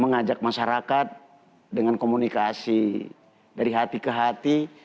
mengajak masyarakat dengan komunikasi dari hati ke hati